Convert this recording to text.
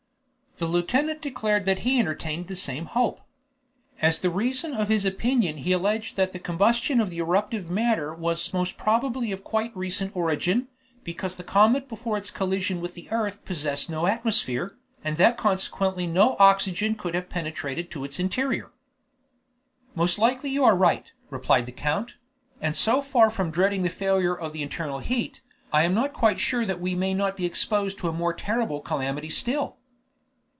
The lieutenant declared that he entertained the same hope. As the reason of his opinion he alleged that the combustion of the eruptive matter was most probably of quite recent origin, because the comet before its collision with the earth had possessed no atmosphere, and that consequently no oxygen could have penetrated to its interior. "Most likely you are right," replied the count; "and so far from dreading a failure of the internal heat, I am not quite sure that we may not be exposed to a more terrible calamity still?"